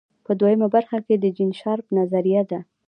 په دویمه برخه کې د جین شارپ نظریه ده.